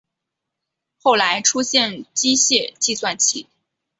后来出现机械计算器。